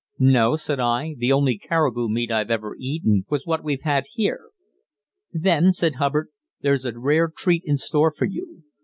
"No," said I; "the only caribou meat I've ever eaten was what we've had here." "Then," said Hubbard, "there's a rare treat in store for you.